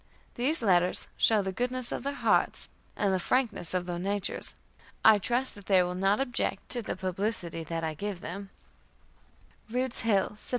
These letters show the goodness of their hearts and the frankness of their natures. I trust that they will not object to the publicity that I give them: "RUDE'S HILL, Sept.